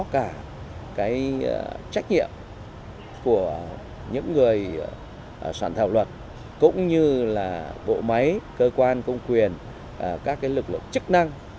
cả cái trách nhiệm của những người soạn thảo luật cũng như là bộ máy cơ quan công quyền các lực lượng chức năng